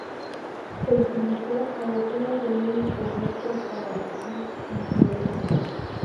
Se utilizó a docenas de niños como extras para las escenas en los colegios.